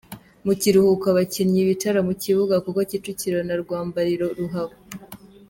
Mu kirihuko abakinnyi bicara mu kibuga kuko Kicukiro nta rwambariro ruhaba.